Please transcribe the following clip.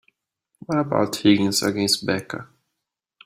What about Higgins against Becca?